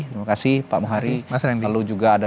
terima kasih pak muhari yang lalu juga ada